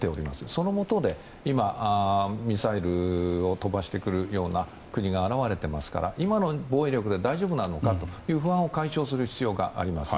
そのもとで今ミサイルを飛ばしてくるような国が現れていますから今の防衛力で大丈夫なのかという不安を解消する必要があります。